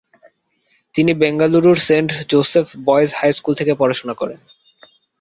তিনি বেঙ্গালুরুর Saint Joseph boys high school থেকে পড়াশোনা করেন।